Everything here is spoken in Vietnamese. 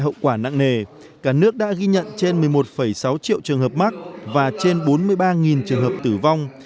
hậu quả nặng nề cả nước đã ghi nhận trên một mươi một sáu triệu trường hợp mắc và trên bốn mươi ba trường hợp tử vong